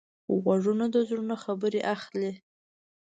غوږونه د زړونو خبرې اخلي